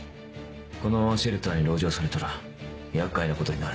このシェルターに籠城されたら厄介なことになる。